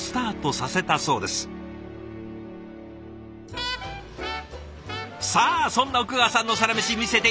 さあそんな奥川さんのサラメシ見せて頂きましょう。